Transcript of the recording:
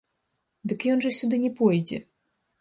Дык ён жа сюды не пойдзе!